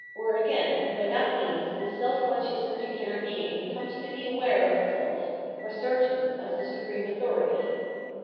Or again, by that means this seK conscious particular being comes to be aware of itself for certain as the supreme authority.